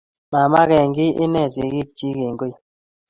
Mamekengiy inne sikiik chi eng koii.